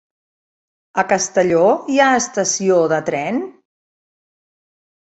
A Castelló hi ha estació de tren?